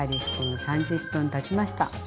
君３０分たちました。